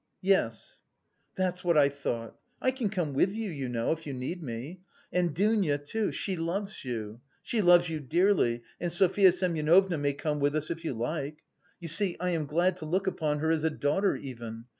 "Yes." "That's what I thought! I can come with you, you know, if you need me. And Dounia, too; she loves you, she loves you dearly and Sofya Semyonovna may come with us if you like. You see, I am glad to look upon her as a daughter even...